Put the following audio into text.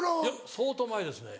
相当前ですね。